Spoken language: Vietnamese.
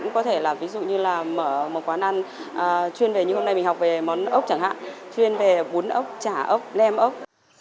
có thể là ví dụ như là mở một quán ăn chuyên về như hôm nay mình học về món ốc chẳng hạn chuyên về bún ốc chả ốc nem ốc